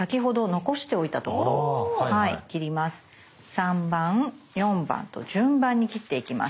３番４番と順番に切っていきます。